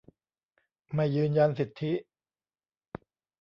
ไม่ยืนยันสิทธิ